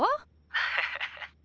⁉ハハハハ。